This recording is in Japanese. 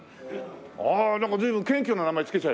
ああなんか随分謙虚な名前付けちゃいましたね。